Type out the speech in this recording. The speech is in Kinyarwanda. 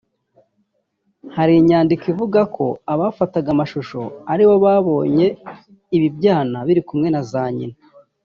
hari inyandiko ivuga ko abafataga amashusho aribo babonye ibi byana biri kumwe na za nyina